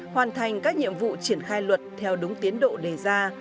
hoàn thành các nhiệm vụ triển khai luật theo đúng tiến độ đề ra